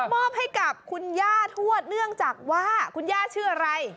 มอบให้กับคุณย่าทวดเนื่องจากว่าคุณย่าชื่ออะไร